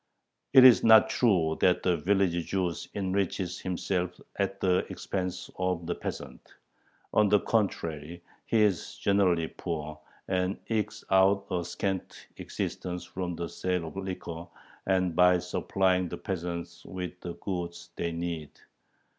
It is not true that the village Jew enriches himself at the expense of the peasant. On the contrary, he is generally poor, and ekes out a scanty existence from the sale of liquor and by supplying the peasants with the goods they need.